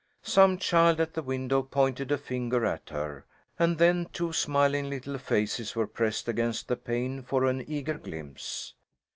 Some child at the window pointed a finger at her, and then two smiling little faces were pressed against the pane for an eager glimpse.